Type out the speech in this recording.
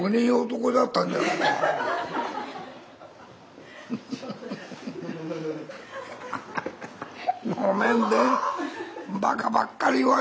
ごめんね。